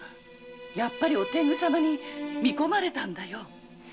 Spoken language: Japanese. やっぱりお天狗様に見込まれたんだよ。